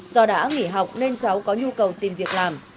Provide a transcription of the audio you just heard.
do đã nghỉ học nên cháu có nhu cầu tìm việc làm